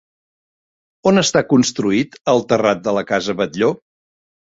On està construït el terrat de la casa Batlló?